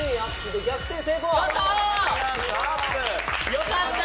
よかった！